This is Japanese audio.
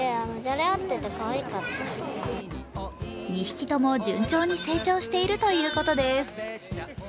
２匹とも順調に成長しているということです。